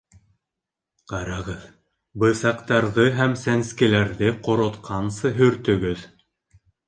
Ҡарағыҙ, бысаҡтарҙы һәм сәнскеләрҙе ҡоротҡансы һөртөгөҙ